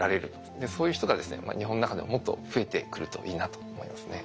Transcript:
そういう人がですね日本の中でもっと増えてくるといいなと思いますね。